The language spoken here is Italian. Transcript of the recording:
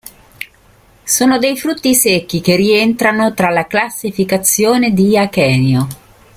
Sono dei frutti secchi che rientrano tra la classificazione di achenio.